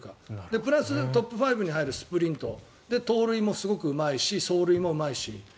プラストップ５に入るスプリント盗塁もすごくうまいし走塁もうまいし。